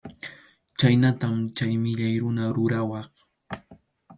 Chhaynatam chay millay runa rurawaq.